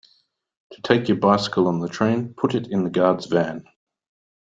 To take your bicycle on the train, put it in the guard’s van